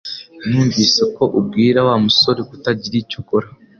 Numvise ko ubwira Wa musore kutagira icyo ukora